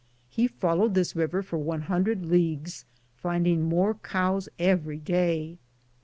He followed this river for 100 leagues, find ing more cows every day.